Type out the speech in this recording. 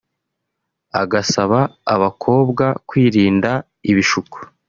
agasaba abakobwa kwirinda ibishuko